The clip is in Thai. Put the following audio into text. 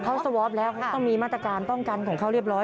เขาสวอปแล้วเขาต้องมีมาตรการป้องกันของเขาเรียบร้อย